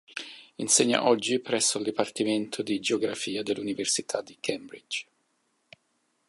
Insegna oggi presso il Dipartimento di geografia dell'Università di Cambridge.